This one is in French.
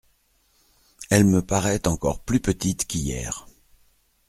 Elle me paraît encore plus petite qu’hier.